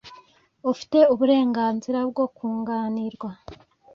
Ufite uburenganzira bwo kunganirwa.